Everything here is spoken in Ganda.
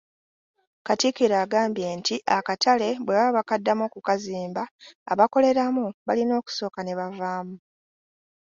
Katikkiro agambye nti akatale bwe baba bakaddamu okukazimba, abakoleramu balina okusooka ne bavaamu.